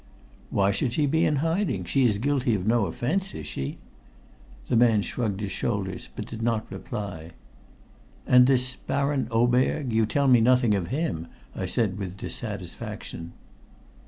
"Why should she be in hiding? She is guilty of no offense is she?" The man shrugged his shoulders, but did not reply. "And this Baron Oberg? You tell me nothing of him," I said with dissatisfaction.